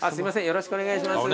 よろしくお願いします。